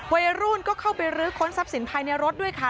วัยรุ่นก็เข้าไปรื้อค้นทรัพย์สินภายในรถด้วยค่ะ